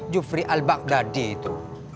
jufri al baghdadi itu